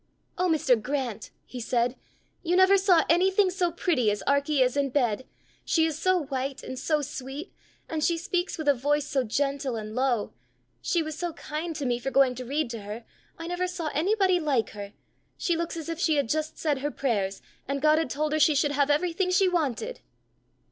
"Oh, Mr. Grant!" he said, "you never saw anything so pretty as Arkie is in bed! She is so white, and so sweet! and she speaks with a voice so gentle and low! She was so kind to me for going to read to her! I never saw anybody like her! She looks as if she had just said her prayers, and God had told her she should have everything she wanted."